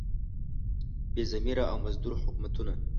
بې ضمیره او مزدور حکومتونه.